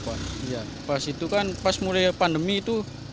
pas itu kan pas mulai pandemi itu